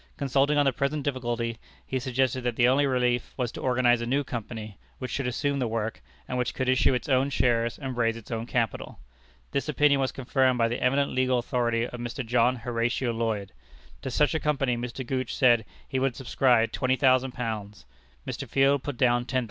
Consulting on the present difficulty, he suggested that the only relief was to organize a new Company, which should assume the work, and which could issue its own shares and raise its own capital. This opinion was confirmed by the eminent legal authority of Mr. John Horatio Lloyd. To such a Company Mr. Gooch said he would subscribe £20,000; Mr. Field put down £10,000.